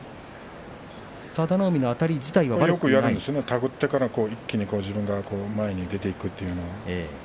佐田の海があたる自体は？手繰ってから一気に自分が前に出ていくという。